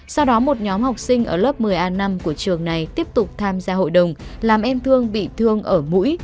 sau đó một nhóm học sinh ở lớp một mươi a năm của trường này tiếp tục tham gia hội đồng làm em thương bị thương ở mũi